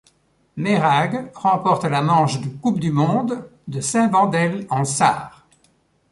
Meirhaeghe remporte la manche de coupe du monde de Saint-Wendel en Sarre.